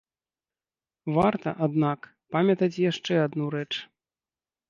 Варта, аднак, памятаць яшчэ адну рэч.